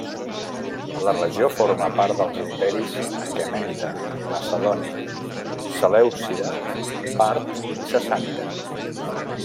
La regió formà part dels imperis aquemènida, macedoni, selèucida, part i sassànida.